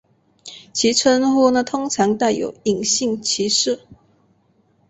其称呼通常带有隐性歧视。